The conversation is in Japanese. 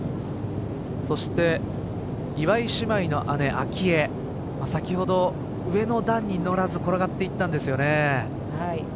そして岩井姉妹の姉・明愛先ほど上の段にのらず転がっていったんですね。